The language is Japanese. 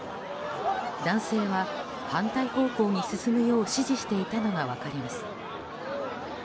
男性は、反対方向に進むよう指示していたのが分かります。